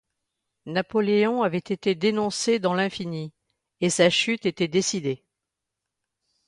Napoléon avait été dénoncé dans l'infini, et sa chute était décidée.